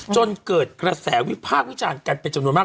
จนเกิดกระแสวิพากษ์วิจารณ์กันเป็นจำนวนมาก